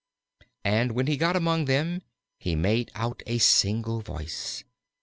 And when he got among them he made out each single voice.